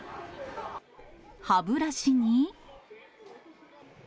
歯ブラシに。